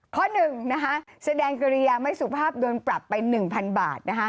ข้อหนึ่งแสดงเกรียร์ไม่สุขภาพโดนปรับไป๑๐๐๐บาท